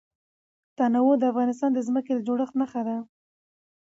تنوع د افغانستان د ځمکې د جوړښت نښه ده.